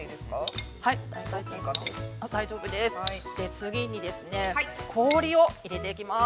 次に、氷を入れていきます。